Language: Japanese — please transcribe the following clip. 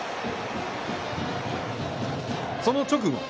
その直後。